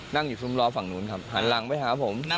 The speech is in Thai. นั่งอยู่ซุ้มล้อฝั่งนู้นครับหันหลังไปหาผม